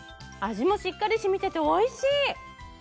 味もしっかり染みてておいしい！